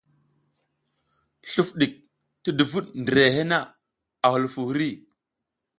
Sluf ɗik ti duvuɗ ndirehe na, a hulufuw hiri.